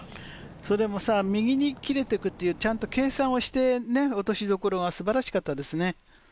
それも右に切れてくっていう、ちゃんと計算をして、落としどころが素晴らしかったですね。